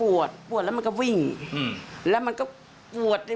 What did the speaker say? ปวดปวดแล้วมันก็วิ่งอืมแล้วมันก็ปวดด้วย